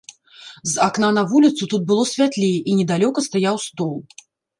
З акна на вуліцу тут было святлей, і недалёка стаяў стол.